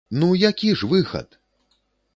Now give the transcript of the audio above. Ну, які ж выхад?!